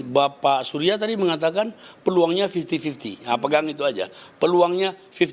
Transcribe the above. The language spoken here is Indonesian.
bapak surya tadi mengatakan peluangnya lima puluh lima puluh pegang itu aja peluangnya lima puluh